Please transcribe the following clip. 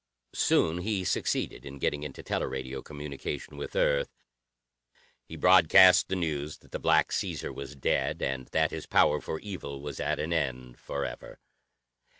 Soon he succeeded in getting into teleradio communication with Earth. He broadcast the news that the Black Caesar was dead, and that his power for evil was at an end forever.